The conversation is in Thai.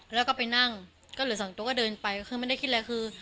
แล้วก็ไปนั่งก็เหลือสองตัวก็เดินไปก็คือไม่ได้คิดอะไรคือ